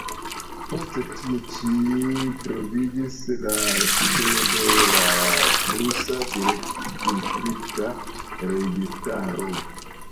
Poste tie ĉi troviĝis la sidejo de la prusa distrikta registaro.